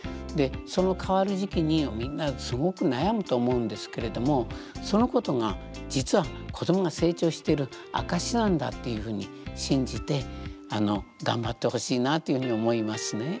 でその変わる時期にみんなすごく悩むと思うんですけれどもそのことが実は「子どもが成長してる証しなんだ」っていうふうに信じて頑張ってほしいなっていうふうに思いますね。